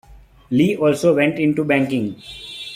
Lee also went into banking.